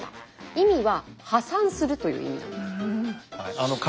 意味は「破産する」という意味なんです。